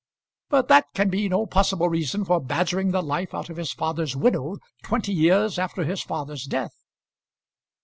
"But that can be no possible reason for badgering the life out of his father's widow twenty years after his father's death!"